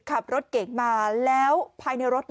ขับรถเก่งมาแล้วภายในรถ